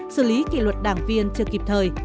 xử lý kỷ luật đảng viên chưa kịp thời